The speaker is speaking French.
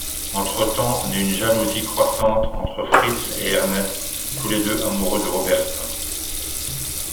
Entretemps, naît une jalousie croissante entre Fritz et Ernest, tous deux amoureux de Roberta.